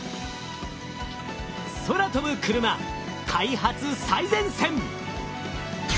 空飛ぶクルマ開発最前線。